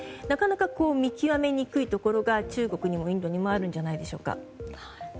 なかなか見極めにくいところが中国にも、インドにもあるんじゃないでしょうか。